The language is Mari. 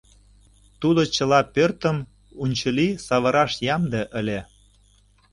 Тудо чыла пӧртым унчыли савыраш ямде ыле.